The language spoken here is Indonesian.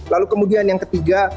lalu kemudian yang ketiga